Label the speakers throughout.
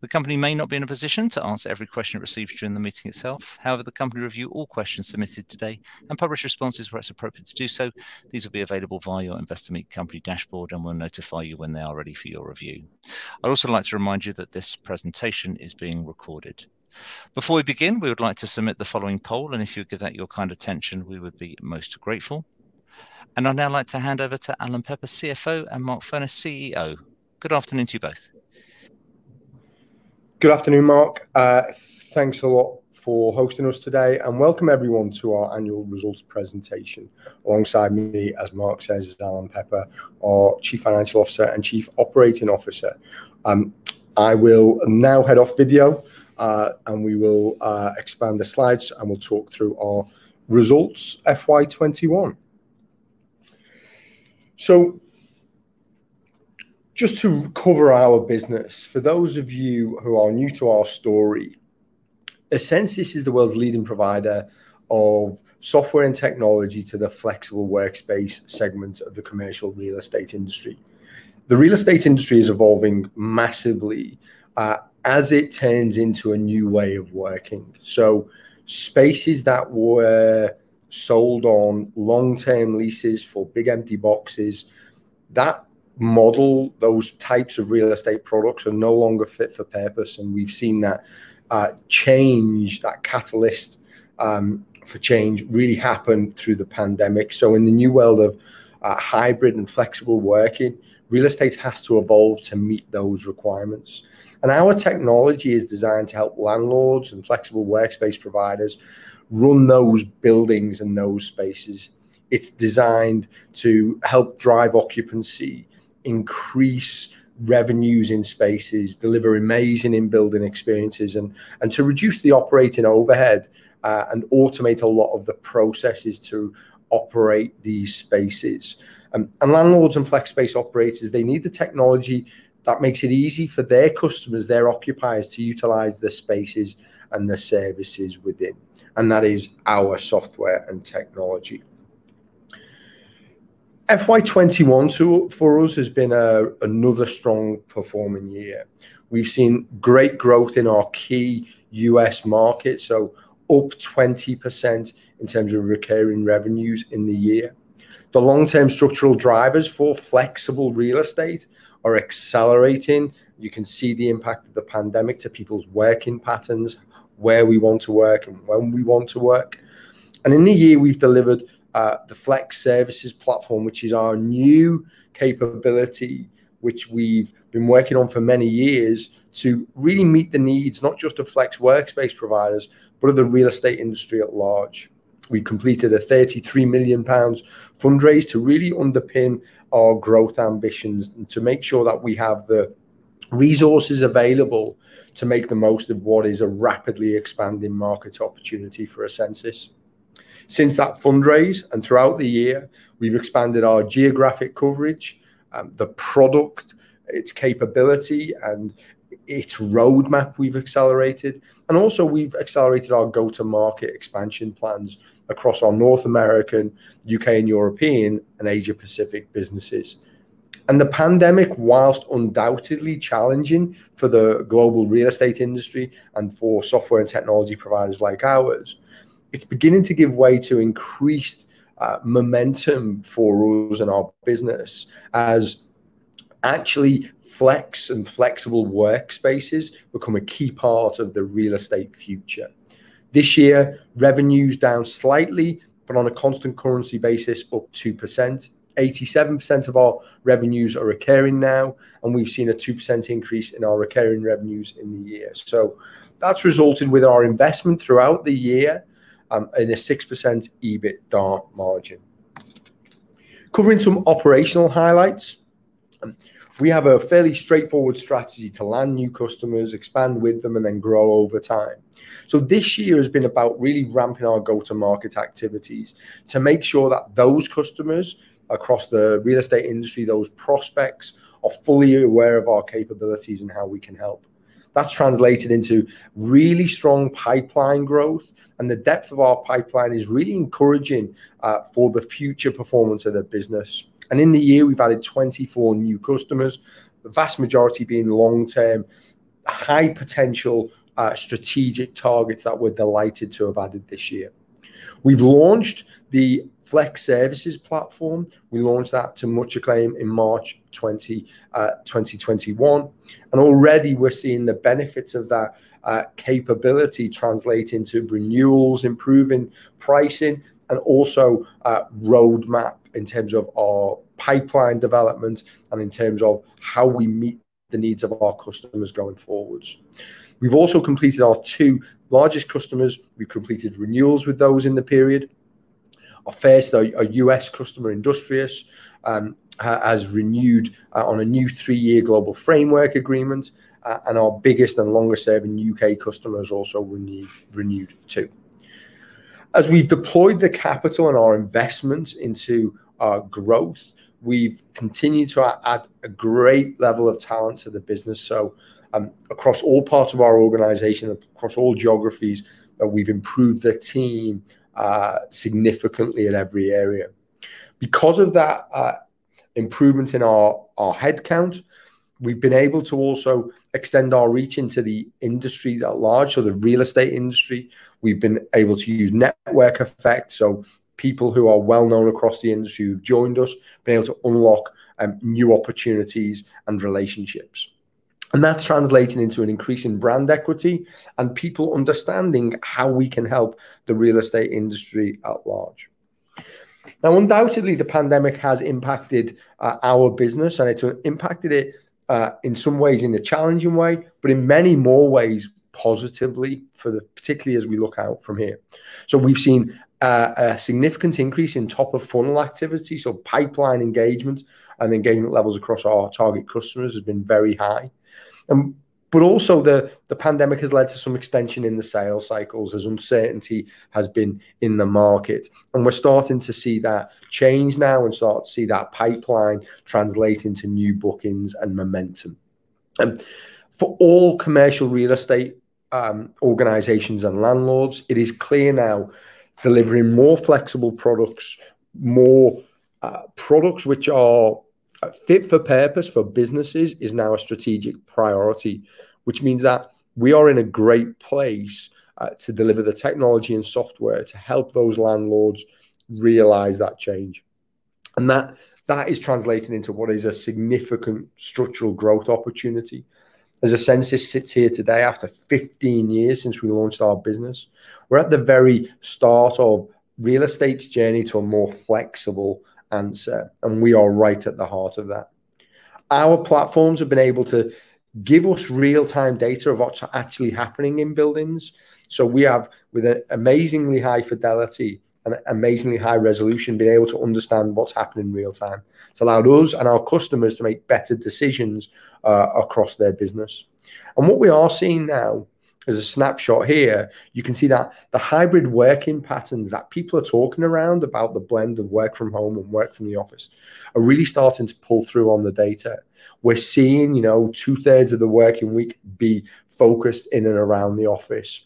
Speaker 1: The company may not be in a position to answer every question it receives during the meeting itself. However, the company will review all questions submitted today and publish responses where it's appropriate to do so. These will be available via your Investor Meet Company dashboard, and we'll notify you when they are ready for your review. I'd also like to remind you that this presentation is being recorded. Before we begin, we would like to submit the following poll, and if you would give that your kind attention, we would be most grateful. I'd now like to hand over to Alan Pepper, CFO, and Mark Furness, CEO. Good afternoon to you both.
Speaker 2: Good afternoon, Mark. Thanks a lot for hosting us today, and welcome everyone to our annual results presentation. Alongside me, as Mark says, is Alan Pepper, our Chief Financial Officer and Chief Operating Officer. I will now head off video, and we will expand the slides, and we'll talk through our results, FY 2021. Just to cover our business. For those of you who are new to our story, essensys is the world's leading provider of software and technology to the flexible workspace segment of the commercial real estate industry. The real estate industry is evolving massively as it turns into a new way of working. Spaces that were sold on long-term leases for big empty boxes, that model, those types of real estate products are no longer fit for purpose, and we've seen that change, that catalyst for change really happen through the pandemic. In the new world of hybrid and flexible working, real estate has to evolve to meet those requirements. Our technology is designed to help landlords and flexible workspace providers run those buildings and those spaces. It's designed to help drive occupancy, increase revenues in spaces, deliver amazing in-building experiences, and to reduce the operating overhead, and automate a lot of the processes to operate these spaces. Landlords and flex space operators, they need the technology that makes it easy for their customers, their occupiers, to utilize the spaces and the services within, and that is our software and technology. FY 2021, for us, has been another strong-performing year. We've seen great growth in our key U.S. market, so up 20% in terms of recurring revenues in the year. The long-term structural drivers for flexible real estate are accelerating. You can see the impact of the pandemic to people's working patterns, where we want to work, and when we want to work. In the year, we've delivered the Flex Services Platform, which is our new capability, which we've been working on for many years to really meet the needs, not just of flex workspace providers, but of the real estate industry at large. We completed a 33 million pounds fundraise to really underpin our growth ambitions and to make sure that we have the resources available to make the most of what is a rapidly expanding market opportunity for essensys. Since that fundraise, and throughout the year, we've expanded our geographic coverage, the product, its capability, and its roadmap we've accelerated, and also we've accelerated our go-to-market expansion plans across our North American, U.K., and European, and Asia-Pacific businesses. The pandemic, whilst undoubtedly challenging for the global real estate industry and for software and technology providers like ours, it's beginning to give way to increased momentum for rules in our business as actually flex and flexible workspaces become a key part of the real estate future. This year, revenues down slightly, but on a constant currency basis, up 2%. 87% of our revenues are recurring now, and we've seen a 2% increase in our recurring revenues in the year. That's resulted with our investment throughout the year, in a 6% EBITDA margin. Covering some operational highlights, we have a fairly straightforward strategy to land new customers, expand with them, and then grow over time. This year has been about really ramping our go-to-market activities to make sure that those customers across the real estate industry, those prospects, are fully aware of our capabilities and how we can help. That's translated into really strong pipeline growth, and the depth of our pipeline is really encouraging for the future performance of the business. In the year, we've added 24 new customers, the vast majority being long-term, high-potential, strategic targets that we're delighted to have added this year. We've launched the Flex Services Platform. We launched that to much acclaim in March 2021, and already we're seeing the benefits of that capability translate into renewals, improving pricing, and also a roadmap in terms of our pipeline development and in terms of how we meet the needs of our customers going forwards. We've also completed our two largest customers. We completed renewals with those in the period. Our first, our U.S. customer, Industrious, has renewed on a new three-year global framework agreement, and our biggest and longest-serving U.K. customer has also renewed too. As we've deployed the capital and our investments into our growth, we've continued to add a great level of talent to the business. Across all parts of our organization, across all geographies, we've improved the team significantly in every area. Improvements in our headcount, we've been able to also extend our reach into the industry at large, so the real estate industry. We've been able to use network effect, so people who are well-known across the industry who've joined us, been able to unlock new opportunities and relationships. That's translating into an increase in brand equity and people understanding how we can help the real estate industry at large. Now, undoubtedly, the pandemic has impacted our business, and it's impacted it in some ways in a challenging way, but in many more ways, positively, particularly as we look out from here. We've seen a significant increase in top-of-funnel activity. Pipeline engagement and engagement levels across our target customers has been very high. Also the pandemic has led to some extension in the sales cycles as uncertainty has been in the market. We're starting to see that change now and start to see that pipeline translate into new bookings and momentum. For all commercial real estate organizations and landlords, it is clear now delivering more flexible products, more products which are fit for purpose for businesses, is now a strategic priority, which means that we are in a great place to deliver the technology and software to help those landlords realize that change. That is translating into what is a significant structural growth opportunity. As essensys sits here today, after 15 years since we launched our business, we're at the very start of real estate's journey to a more flexible answer, and we are right at the heart of that. Our platforms have been able to give us real-time data of what's actually happening in buildings. We have, with an amazingly high fidelity and amazingly high resolution, been able to understand what's happening in real time. It's allowed us and our customers to make better decisions across their business. What we are seeing now, there's a snapshot here, you can see that the hybrid working patterns that people are talking around about the blend of work from home and work from the office, are really starting to pull through on the data. We're seeing two-thirds of the working week be focused in and around the office.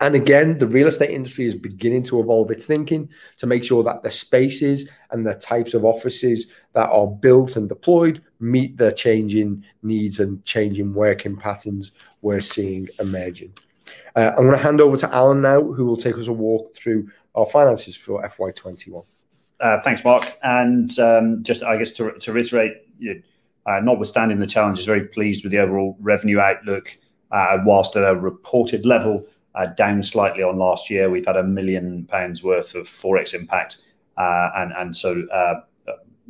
Speaker 2: Again, the real estate industry is beginning to evolve its thinking to make sure that the spaces and the types of offices that are built and deployed meet the changing needs and changing working patterns we're seeing emerging. I'm going to hand over to Alan now, who will take us a walk through our finances for FY 2021.
Speaker 3: Thanks, Mark Furness. Just I guess to reiterate, notwithstanding the challenges, very pleased with the overall revenue outlook. Whilst at a reported level, down slightly on last year. We've had 1 million pounds worth of ForEx impact,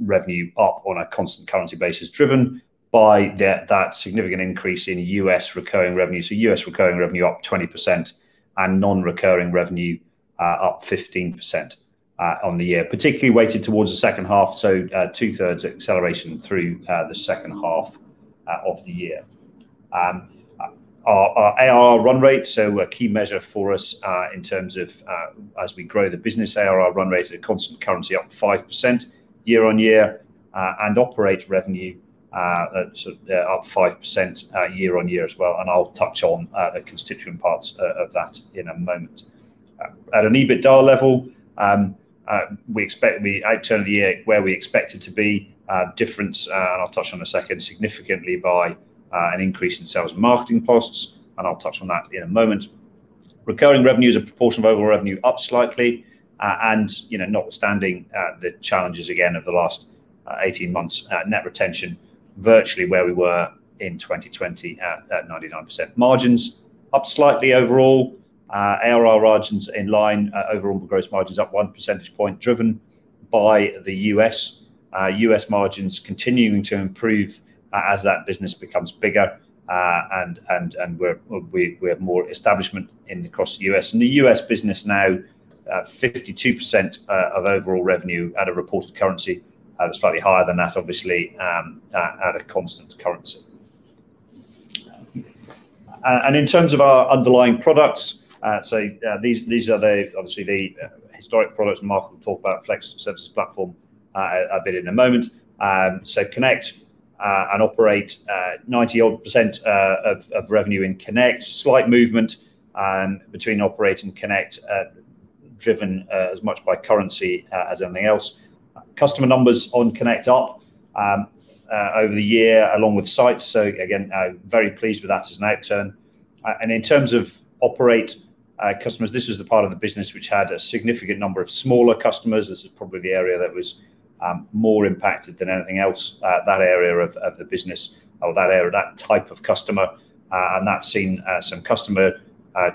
Speaker 3: revenue up on a constant currency basis, driven by that significant increase in U.S. recurring revenue. U.S. recurring revenue up 20% and non-recurring revenue up 15% on the year, particularly weighted towards the second half. Two-thirds acceleration through the second half of the year. Our ARR run rate, a key measure for us in terms of as we grow the business ARR run rate at a constant currency up 5% year-on-year, Operator revenue up 5% year-on-year as well. I'll touch on the constituent parts of that in a moment. At an EBITDA level, outturn of the year where we expected to be, difference, and I'll touch on in a second, significantly by an increase in sales and marketing costs, and I'll touch on that in a moment. Recurring revenues, a proportion of overall revenue up slightly. Notwithstanding the challenges again over the last 18 months, net retention virtually where we were in 2020 at 99%. Margins up slightly overall. ARR margins in line. Overall gross margins up one percentage point driven by the U.S. U.S. margins continuing to improve as that business becomes bigger and we have more establishment across the U.S. The U.S. business now at 52% of overall revenue at a reported currency, slightly higher than that, obviously, at a constant currency. In terms of our underlying products, these are obviously the historic products, and Mark will talk about Flex Services Platform a bit in a moment. Connect and Operate, 90-odd% of revenue in Connect. Slight movement between Operate and Connect, driven as much by currency as anything else. Customer numbers on Connect up over the year along with sites. Again, very pleased with that as an outturn. In terms of Operate customers, this was the part of the business which had a significant number of smaller customers. This is probably the area that was more impacted than anything else, that area of the business or that type of customer. That's seen some customer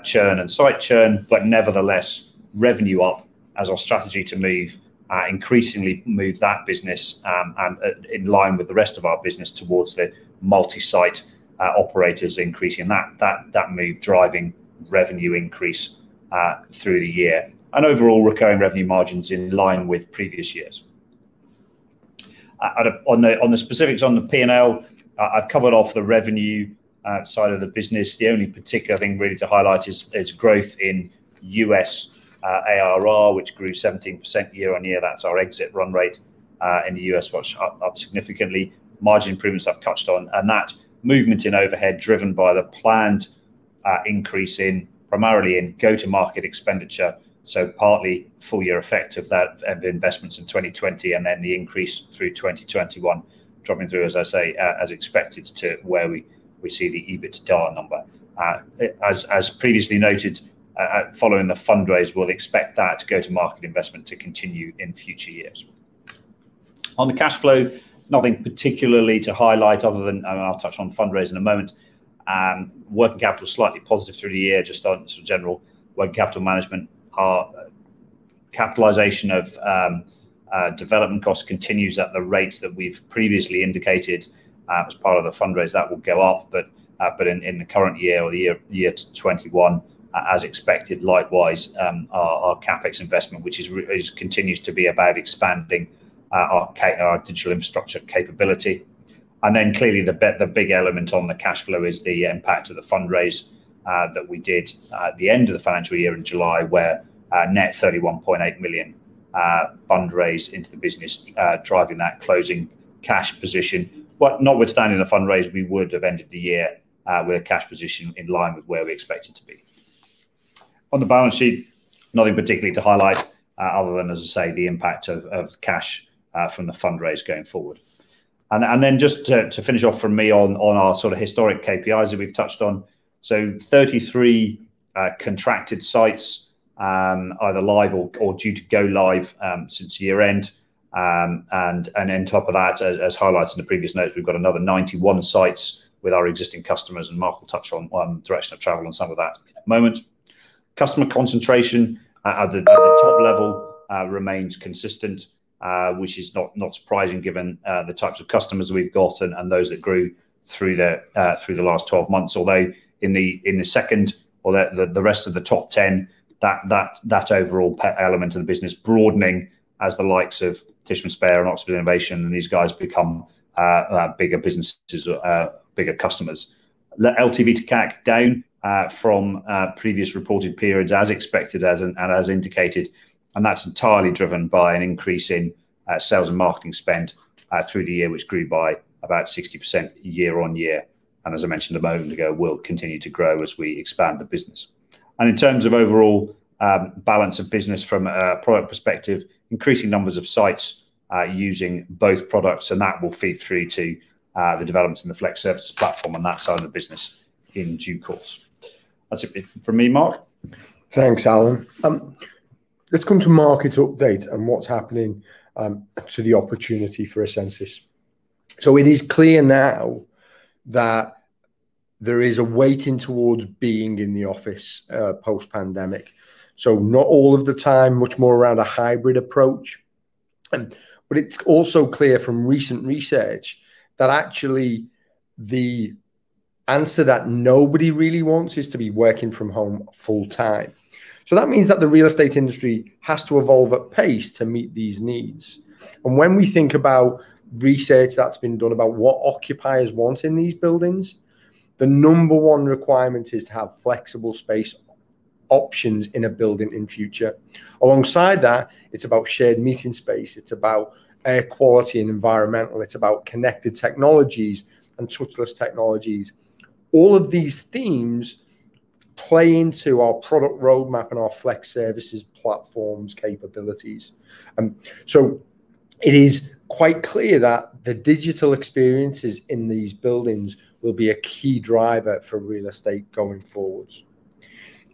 Speaker 3: churn and site churn, but nevertheless, revenue up as our strategy to increasingly move that business in line with the rest of our business towards the multi-site operators increasing. That move driving revenue increase through the year. Overall recurring revenue margins in line with previous years. On the specifics on the P&L, I've covered off the revenue side of the business. The only particular thing really to highlight is growth in U.S. ARR, which grew 17% year-on-year. That's our exit run rate in the U.S., which are up significantly. Margin improvements I've touched on, that movement in overhead driven by the planned increase primarily in go-to-market expenditure, partly full year effect of the investments in 2020, then the increase through 2021 dropping through, as I say, as expected to where we see the EBITDA number. As previously noted, following the fundraise, we'll expect that go-to-market investment to continue in future years. On the cash flow, nothing particularly to highlight other than, I'll touch on fundraise in a moment. Working capital slightly positive through the year just on some general working capital management. Our capitalization of development costs continues at the rates that we've previously indicated as part of the fundraise. That will go up, in the current year or the year to FY 2021 as expected. Likewise, our CapEx investment, which continues to be about expanding our digital infrastructure capability. Clearly the big element on the cash flow is the impact of the fundraise that we did at the end of the financial year in July where net 31.8 million fundraise into the business, driving that closing cash position. Notwithstanding the fundraise, we would have ended the year with a cash position in line with where we expect it to be. On the balance sheet, nothing particularly to highlight, other than, as I say, the impact of cash from the fundraise going forward. Just to finish off from me on our sort of historic KPIs that we've touched on. 33 contracted sites, either live or due to go live since year-end. In top of that, as highlighted in the previous notes, we've got another 91 sites with our existing customers, and Mark Furness will touch on direction of travel and some of that in a moment. Customer concentration at the top level remains consistent, which is not surprising given the types of customers we've got and those that grew through the last 12 months. Although in the second or the rest of the top 10, that overall element of the business broadening as the likes of Tishman Speyer and Oxford Innovation and these guys become bigger businesses or bigger customers. LTV to CAC down from previous reported periods as expected and as indicated. That's entirely driven by an increase in sales and marketing spend through the year, which grew by about 60% year-on-year. As I mentioned a moment ago, will continue to grow as we expand the business. In terms of overall balance of business from a product perspective, increasing numbers of sites using both products and that will feed through to the developments in the Flex Services Platform on that side of the business in due course. That's it from me. Mark?
Speaker 2: Thanks, Alan. Let's come to market update and what's happening to the opportunity for essensys. It is clear now that there is a weighting towards being in the office post-pandemic. Not all of the time, much more around a hybrid approach. It's also clear from recent research that actually the answer that nobody really wants is to be working from home full time. That means that the real estate industry has to evolve at pace to meet these needs. When we think about research that's been done about what occupiers want in these buildings, the number one requirement is to have flexible space options in a building in future. Alongside that, it's about shared meeting space. It's about air quality and environmental. It's about connected technologies and touchless technologies. All of these themes play into our product roadmap and our Flex Services Platform capabilities. It is quite clear that the digital experiences in these buildings will be a key driver for real estate going forwards.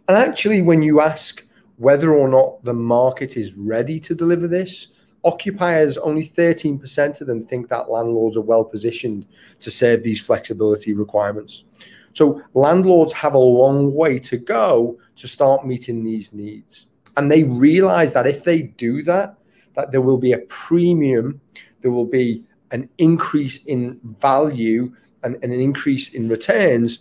Speaker 2: Actually when you ask whether or not the market is ready to deliver this, occupiers, only 13% of them think that landlords are well-positioned to serve these flexibility requirements. Landlords have a long way to go to start meeting these needs. They realize that if they do that there will be a premium, there will be an increase in value and an increase in returns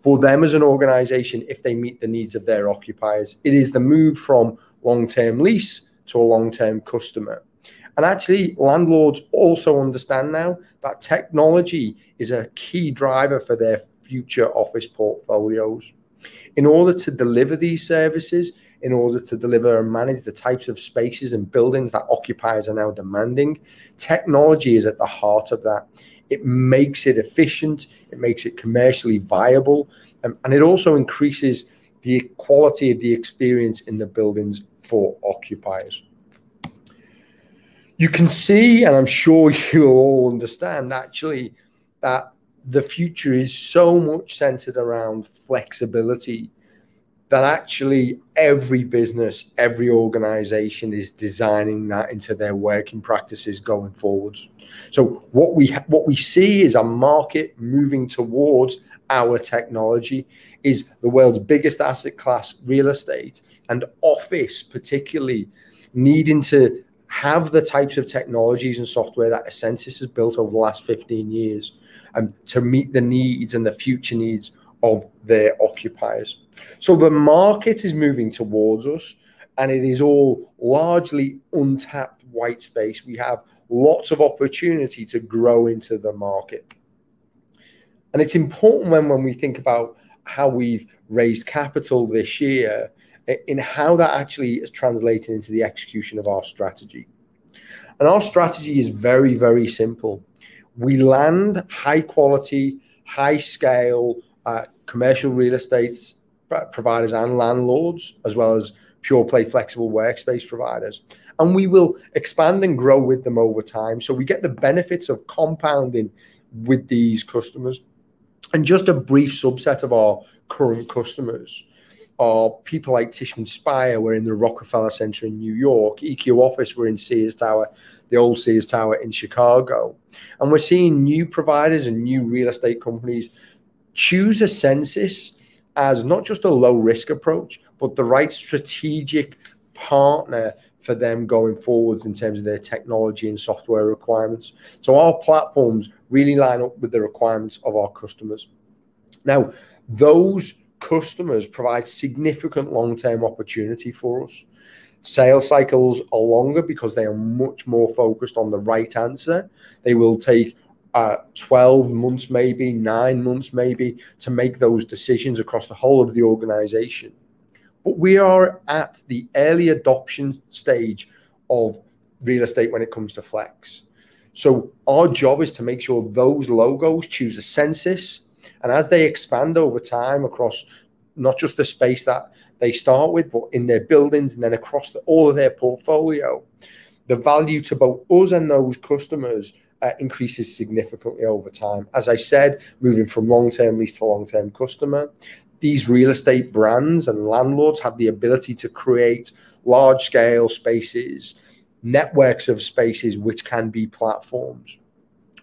Speaker 2: for them as an organization if they meet the needs of their occupiers. It is the move from long-term lease to a long-term customer. Actually, landlords also understand now that technology is a key driver for their future office portfolios. In order to deliver these services, in order to deliver and manage the types of spaces and buildings that occupiers are now demanding, technology is at the heart of that. It makes it efficient, it makes it commercially viable, and it also increases the quality of the experience in the buildings for occupiers. You can see, and I'm sure you all understand actually, that the future is so much centered around flexibility that actually every business, every organization is designing that into their working practices going forwards. What we see is a market moving towards our technology, is the world's biggest asset class real estate and office particularly needing to have the types of technologies and software that essensys has built over the last 15 years to meet the needs and the future needs of their occupiers. The market is moving towards us, and it is all largely untapped white space. We have lots of opportunity to grow into the market. It's important when we think about how we've raised capital this year in how that actually is translating into the execution of our strategy. Our strategy is very, very simple. We land high quality, high scale commercial real estate providers and landlords, as well as pure-play flexible workspace providers. We will expand and grow with them over time so we get the benefits of compounding with these customers. Just a brief subset of our current customers are people like Tishman Speyer, we're in the Rockefeller Center in New York. EQ Office, we're in Sears Tower, the old Sears Tower in Chicago. We're seeing new providers and new real estate companies choose essensys as not just a low-risk approach, but the right strategic partner for them going forwards in terms of their technology and software requirements. Our platforms really line up with the requirements of our customers. Those customers provide significant long-term opportunity for us. Sales cycles are longer because they are much more focused on the right answer. They will take 12 months maybe, nine months maybe, to make those decisions across the whole of the organization. We are at the early adoption stage of real estate when it comes to flex. Our job is to make sure those logos choose essensys. As they expand over time across not just the space that they start with, but in their buildings and then across all of their portfolio, the value to both us and those customers increases significantly over time. As I said, moving from long-term lease to long-term customer, these real estate brands and landlords have the ability to create large scale spaces, networks of spaces which can be platforms.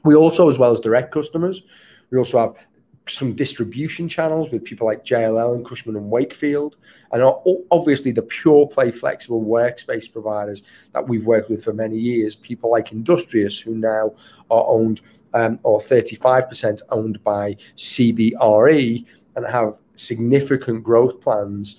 Speaker 2: We also, as well as direct customers, we also have some distribution channels with people like JLL and Cushman & Wakefield, and obviously the pure-play flexible workspace providers that we've worked with for many years, people like Industrious, who now are 35% owned by CBRE and have significant growth plans.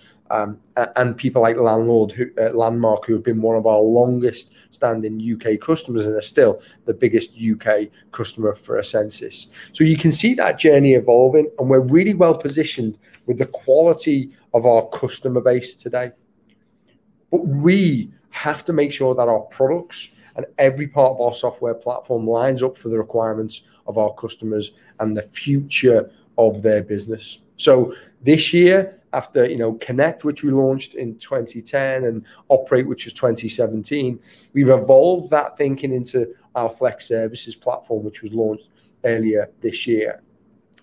Speaker 2: People like Landmark, who have been one of our longest-standing U.K. customers and are still the biggest U.K. customer for essensys. You can see that journey evolving, and we're really well-positioned with the quality of our customer base today. We have to make sure that our products and every part of our software platform lines up for the requirements of our customers and the future of their business. This year, after Connect, which we launched in 2010, and Operate, which was 2017, we've evolved that thinking into our Flex Services Platform, which was launched earlier this year.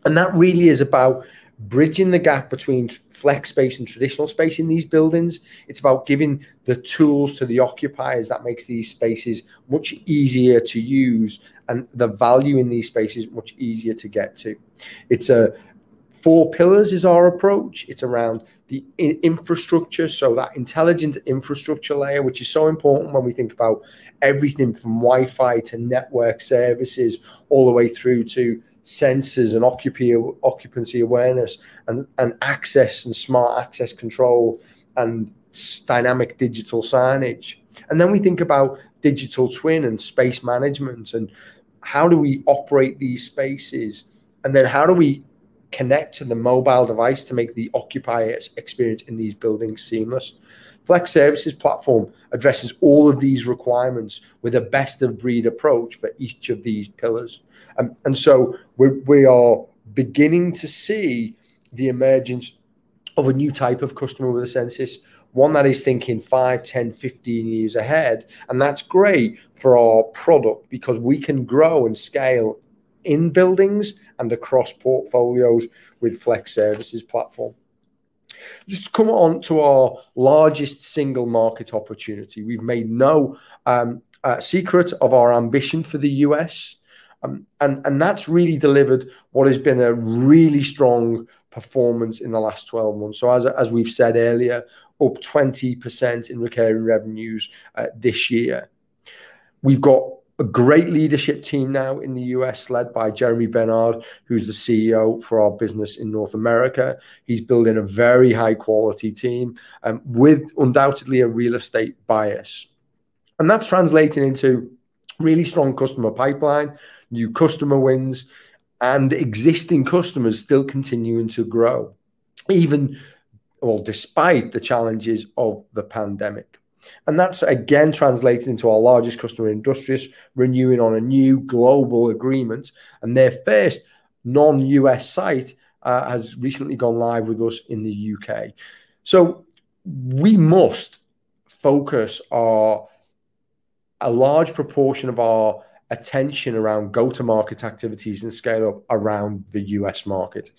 Speaker 2: That really is about bridging the gap between flex space and traditional space in these buildings. It's about giving the tools to the occupiers that makes these spaces much easier to use, and the value in these spaces much easier to get to. Four pillars is our approach. It's around the infrastructure, so that intelligent infrastructure layer, which is so important when we think about everything from Wi-Fi to network services, all the way through to sensors and occupancy awareness and access and smart access control and dynamic digital signage. We think about digital twin and space management, and how do we operate these spaces, and then how do we connect to the mobile device to make the occupier's experience in these buildings seamless. Flex Services Platform addresses all of these requirements with a best of breed approach for each of these pillars. We are beginning to see the emergence of a new type of customer with essensys, one that is thinking five, 10, 15 years ahead. That's great for our product because we can grow and scale in buildings and across portfolios with Flex Services Platform. Just come on to our largest single market opportunity. We've made no secret of our ambition for the U.S., that's really delivered what has been a really strong performance in the last 12 months. As we've said earlier, up 20% in recurring revenues this year. We've got a great leadership team now in the U.S. led by Jeremy Bernard, who's the CEO for our business in North America. He's building a very high quality team, with undoubtedly a real estate bias. That's translating into really strong customer pipeline, new customer wins, and existing customers still continuing to grow, despite the challenges of the pandemic. That's again translating to our largest customer, Industrious, renewing on a new global agreement, and their first non-U.S. site has recently gone live with us in the U.K. We must focus a large proportion of our attention around go-to-market activities and scale up around the U.S. market.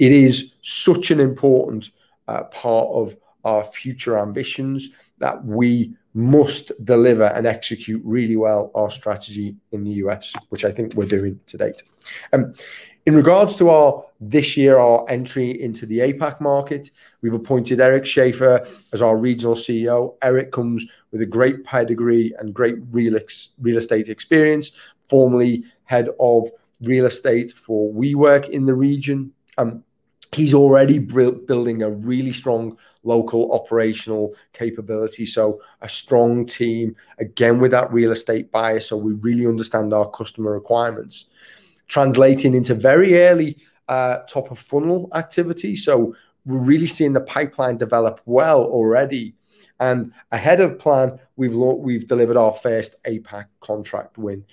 Speaker 2: It is such an important part of our future ambitions that we must deliver and execute really well our strategy in the U.S., which I think we're doing to date. In regards to this year, our entry into the APAC market, we've appointed Eric Schaffer as our regional CEO. Eric comes with a great pedigree and great real estate experience, formerly head of real estate for WeWork in the region. He's already building a really strong local operational capability, so a strong team, again, with that real estate bias, so we really understand our customer requirements. Translating into very early top of funnel activity, so we're really seeing the pipeline develop well already. Ahead of plan, we've delivered our first APAC contract win.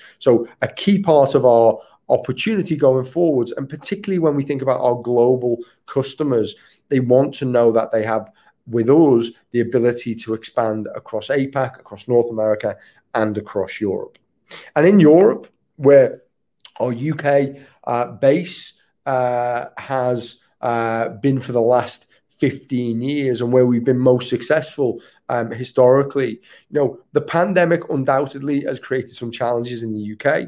Speaker 2: A key part of our opportunity going forward, and particularly when we think about our global customers, they want to know that they have, with us, the ability to expand across APAC, across North America, and across Europe. In Europe, where our U.K. base has been for the last 15 years and where we've been most successful historically. The pandemic undoubtedly has created some challenges in the U.K.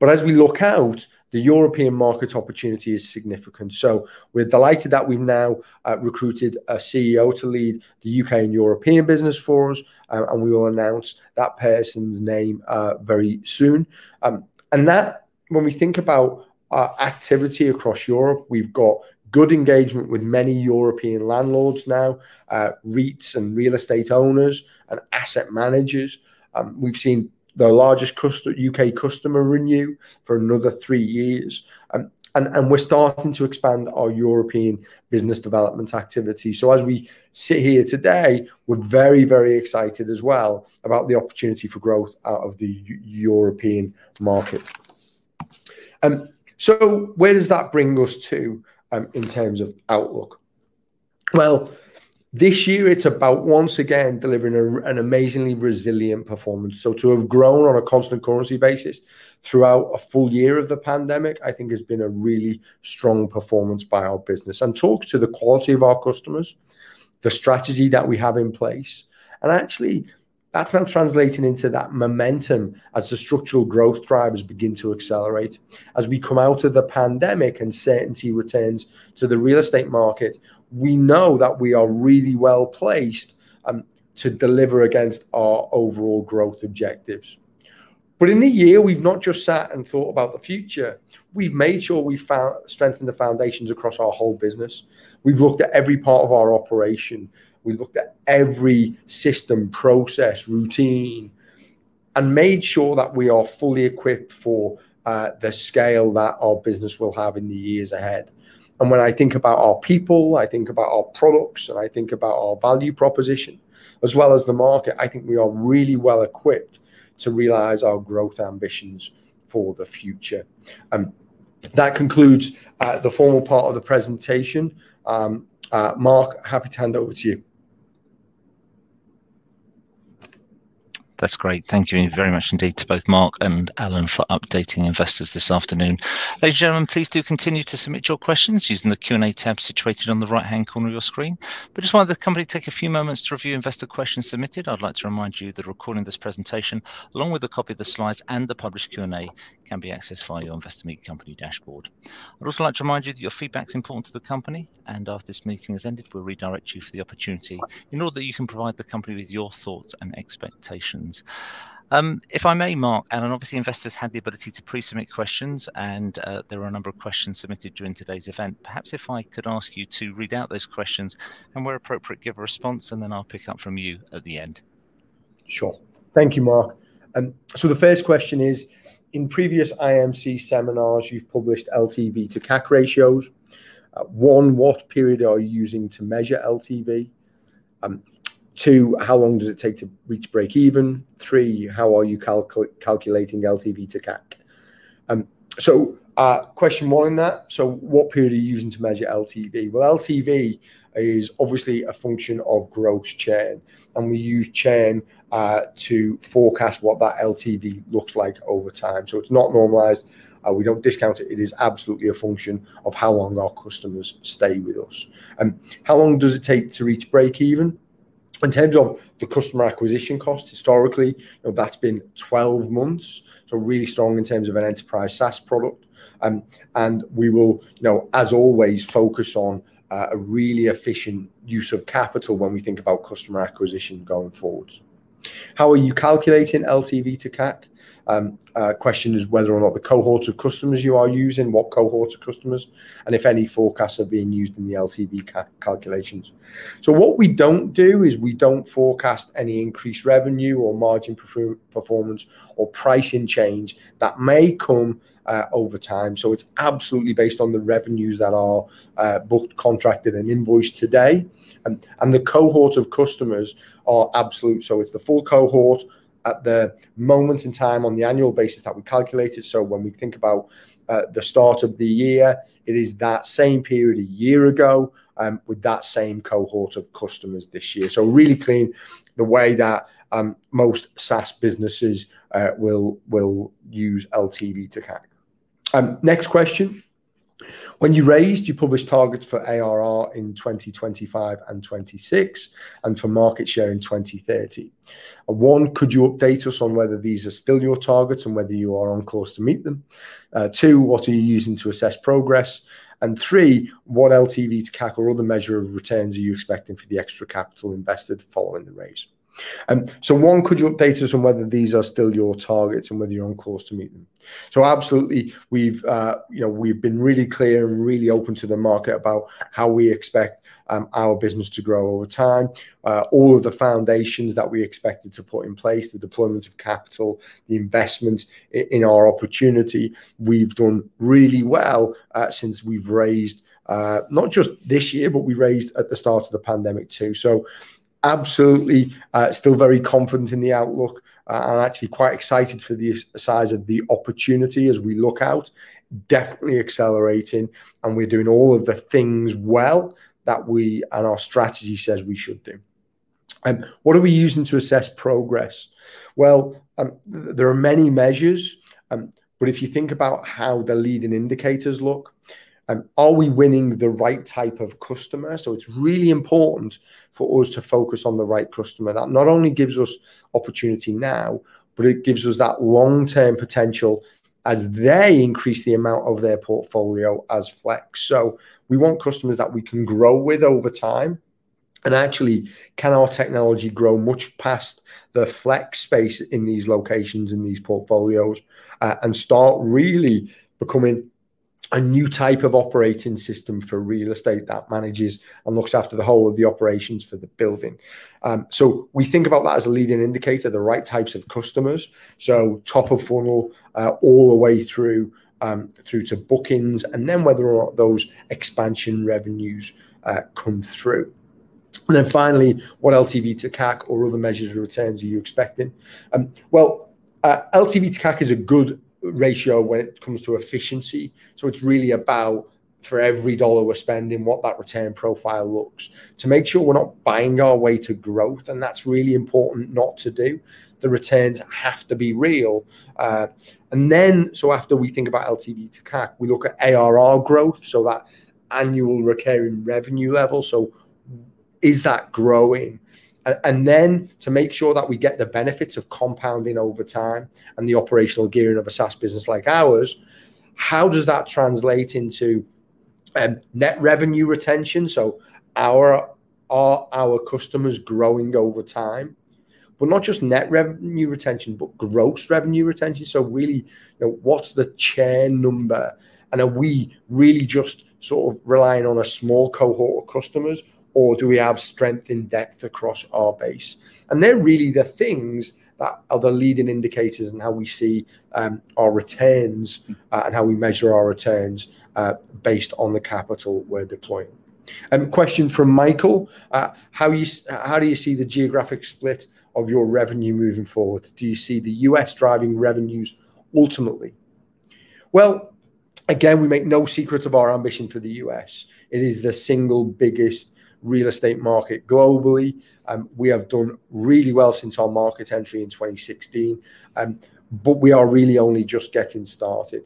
Speaker 2: As we look out, the European market opportunity is significant. We're delighted that we've now recruited a CEO to lead the U.K. and European business for us, and we will announce that person's name very soon. That, when we think about our activity across Europe, we've got good engagement with many European landlords now, REITs and real estate owners and asset managers. We've seen the largest U.K. customer renew for another three years. We're starting to expand our European business development activity. As we sit here today, we're very excited as well about the opportunity for growth out of the European market. Where does that bring us to in terms of outlook? Well, this year it's about, once again, delivering an amazingly resilient performance. To have grown on a constant currency basis throughout a full year of the pandemic, I think has been a really strong performance by our business, and talks to the quality of our customers, the strategy that we have in place. Actually, that's now translating into that momentum as the structural growth drivers begin to accelerate. As we come out of the pandemic and certainty returns to the real estate market, we know that we are really well-placed to deliver against our overall growth objectives. In the year, we've not just sat and thought about the future. We've made sure we've strengthened the foundations across our whole business. We've looked at every part of our operation. We've looked at every system, process, routine, and made sure that we are fully equipped for the scale that our business will have in the years ahead. When I think about our people, I think about our products, and I think about our value proposition, as well as the market, I think we are really well equipped to realize our growth ambitions for the future. That concludes the formal part of the presentation. Mark, happy to hand over to you.
Speaker 1: That's great. Thank you very much indeed to both Mark and Alan for updating investors this afternoon. Ladies and gentlemen, please do continue to submit your questions using the Q&A tab situated on the right-hand corner of your screen. Just while the company takes a few moments to review investor questions submitted, I'd like to remind you that a recording of this presentation, along with a copy of the slides and the published Q&A, can be accessed via your Investor Meet Company dashboard. I'd also like to remind you that your feedback's important to the company, and after this meeting has ended, we'll redirect you for the opportunity in order that you can provide the company with your thoughts and expectations. If I may, Mark, and obviously investors had the ability to pre-submit questions, and there are a number of questions submitted during today's event. Perhaps if I could ask you to read out those questions, and where appropriate, give a response, and then I'll pick up from you at the end.
Speaker 2: Sure. Thank you, Mark. The first question is, in previous IMC seminars, you've published LTV to CAC ratios. One. What period are you using to measure LTV? Two. How long does it take to reach break even? Three. How are you calculating LTV to CAC? Question 1one in that, so what period are you using to measure LTV? Well, LTV is obviously a function of gross churn, and we use churn to forecast what that LTV looks like over time. It's not normalized. We don't discount it. It is absolutely a function of how long our customers stay with us. How long does it take to reach break even? In terms of the customer acquisition cost, historically, that's been 12 months, so really strong in terms of an enterprise SaaS product. We will, as always, focus on a really efficient use of capital when we think about customer acquisition going forwards. How are you calculating LTV to CAC? Question is whether or not the cohorts of customers you are using, what cohorts of customers, and if any forecasts are being used in the LTV calculations. What we don't do is we don't forecast any increased revenue or margin performance or pricing change that may come over time. It's absolutely based on the revenues that are both contracted and invoiced today. The cohort of customers are absolute, so it's the full cohort at the moment in time on the annual basis that we calculated. When we think about the start of the year, it is that same period a year ago, with that same cohort of customers this year. Really clean, the way that most SaaS businesses will use LTV to CAC. Next question. When you raised, you published targets for ARR in 2025 and 2026, and for market share in 2030. One, could you update us on whether these are still your targets and whether you are on course to meet them? Two, what are you using to assess progress? Three, what LTV to CAC or other measure of returns are you expecting for the extra capital invested following the raise? One, could you update us on whether these are still your targets and whether you're on course to meet them? Absolutely, we've been really clear and really open to the market about how we expect our business to grow over time. All of the foundations that we expected to put in place, the deployment of capital, the investment in our opportunity, we've done really well since we've raised, not just this year, but we raised at the start of the pandemic too. Absolutely, still very confident in the outlook. Actually quite excited for the size of the opportunity as we look out. Definitely accelerating, and we're doing all of the things well that we, and our strategy says we should do. What are we using to assess progress? Well, there are many measures. If you think about how the leading indicators look, are we winning the right type of customer? It's really important for us to focus on the right customer that not only gives us opportunity now, but it gives us that long-term potential as they increase the amount of their portfolio as flex. We want customers that we can grow with over time, and actually, can our technology grow much past the flex space in these locations, in these portfolios, and start really becoming a new type of operating system for real estate that manages and looks after the whole of the operations for the building. We think about that as a leading indicator, the right types of customers. Top of funnel, all the way through to bookings, and then whether or not those expansion revenues come through. Finally, what LTV to CAC or other measures of returns are you expecting? Well, LTV to CAC is a good ratio when it comes to efficiency, so it's really about for every dollar we're spending, what that return profile looks. To make sure we're not buying our way to growth, and that's really important not to do. The returns have to be real. After we think about LTV to CAC, we look at ARR growth, so that annual recurring revenue level. Is that growing? To make sure that we get the benefits of compounding over time and the operational gearing of a SaaS business like ours, how does that translate into net revenue retention? Are our customers growing over time? Not just net revenue retention, but gross revenue retention. Really, what's the churn number? Are we really just sort of relying on a small cohort of customers, or do we have strength in depth across our base? They're really the things that are the leading indicators in how we see our returns, and how we measure our returns, based on the capital we're deploying. Question from Michael. How do you see the geographic split of your revenue moving forward? Do you see the U.S. driving revenues ultimately? Well, again, we make no secrets of our ambition for the U.S. It is the single biggest real estate market globally. We are really only just getting started.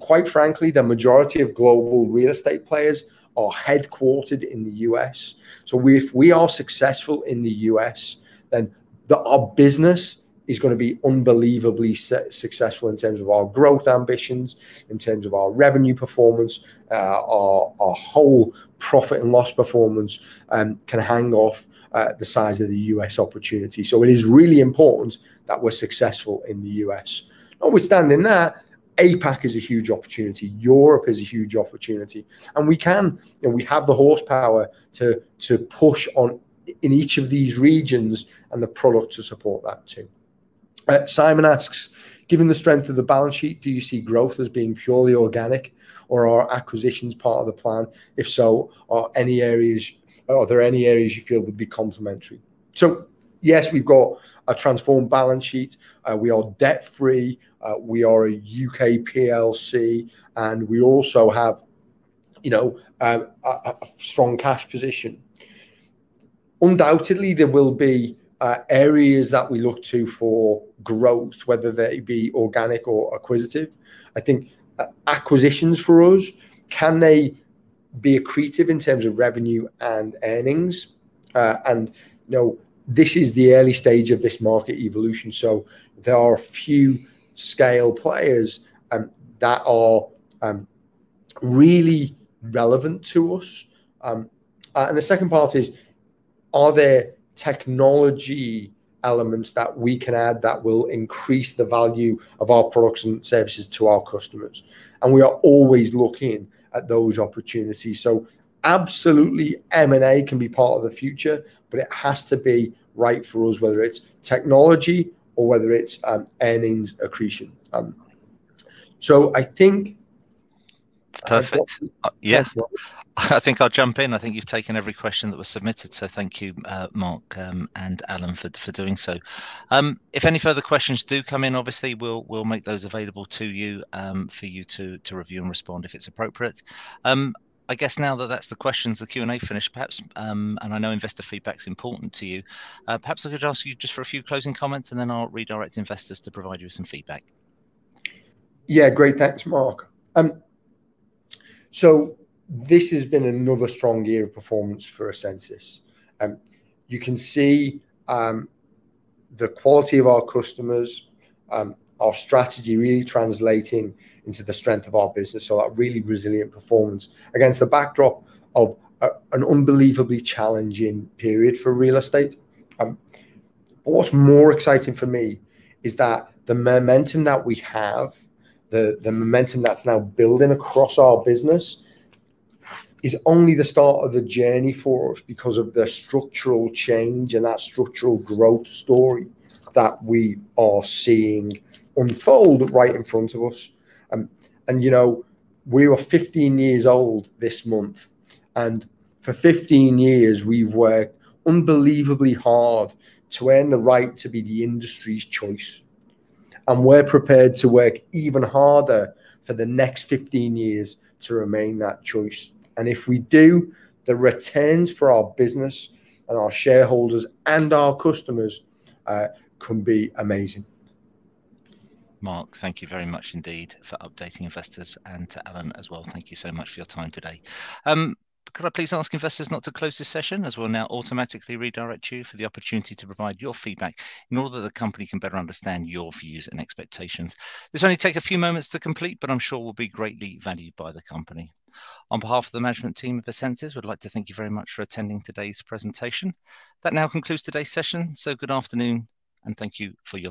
Speaker 2: Quite frankly, the majority of global real estate players are headquartered in the U.S. If we are successful in the U.S., then our business is going to be unbelievably successful in terms of our growth ambitions, in terms of our revenue performance. Our whole profit and loss performance can hang off the size of the U.S. opportunity. It is really important that we're successful in the U.S. Notwithstanding that, APAC is a huge opportunity. Europe is a huge opportunity. We can. We have the horsepower to push on in each of these regions and the product to support that too. Simon asks, "Given the strength of the balance sheet, do you see growth as being purely organic, or are acquisitions part of the plan? If so, are there any areas you feel would be complementary?" Yes, we've got a transformed balance sheet. We are debt-free. We are a U.K. PLC, and we also have a strong cash position. Undoubtedly, there will be areas that we look to for growth, whether they be organic or acquisitive. I think, acquisitions for us, can they be accretive in terms of revenue and earnings? This is the early stage of this market evolution, so there are a few scale players that are really relevant to us. The second part is, are there technology elements that we can add that will increase the value of our products and services to our customers? We are always looking at those opportunities. Absolutely, M&A can be part of the future, but it has to be right for us, whether it's technology or whether it's earnings accretion. I think—
Speaker 1: Perfect. I think I'll jump in. I think you've taken every question that was submitted, so thank you, Mark, and Alan, for doing so. If any further questions do come in, obviously, we'll make those available to you, for you to review and respond if it's appropriate. I guess now that that's the questions, the Q&A finished, perhaps, and I know investor feedback's important to you, perhaps I could ask you just for a few closing comments, and then I'll redirect investors to provide you with some feedback.
Speaker 2: Yeah, great. Thanks, Mark. This has been another strong year of performance for essensys. You can see the quality of our customers, our strategy really translating into the strength of our business. That really resilient performance against the backdrop of an unbelievably challenging period for real estate. What's more exciting for me is that the momentum that we have, the momentum that's now building across our business, is only the start of the journey for us because of the structural change and that structural growth story that we are seeing unfold right in front of us. We are 15 years old this month, and for 15 years, we've worked unbelievably hard to earn the right to be the industry's choice. We're prepared to work even harder for the next 15 years to remain that choice. If we do, the returns for our business and our shareholders and our customers can be amazing.
Speaker 1: Mark, thank you very much indeed for updating investors, and to Alan as well. Thank you so much for your time today. Could I please ask investors not to close this session, as we'll now automatically redirect you for the opportunity to provide your feedback in order that the company can better understand your views and expectations. This'll only take a few moments to complete, but I'm sure will be greatly valued by the company. On behalf of the management team of essensys, we'd like to thank you very much for attending today's presentation. That now concludes today's session. Good afternoon, and thank you for your time.